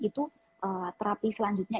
itu terapi selanjutnya